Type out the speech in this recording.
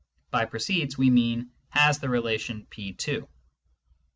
(By " precedes " we mean " has the relation P to.")